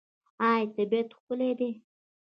آیا طبیعت ښکلی دی؟